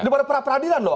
daripada pra peradilan loh